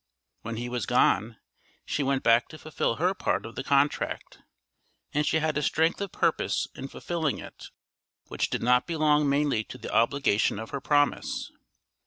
When he was gone, she went back to fulfil her part of the contract, and she had a strength of purpose in fulfilling it which did not belong mainly to the obligation of her promise.